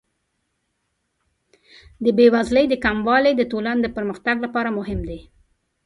د بې وزلۍ کموالی د ټولنې د پرمختګ لپاره مهم دی.